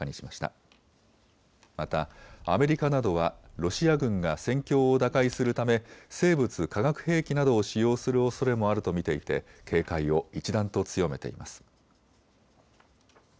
またアメリカなどはロシア軍が戦況を打開するため生物・化学兵器などを使用するおそれもあると見ていて警戒を一段と強めています。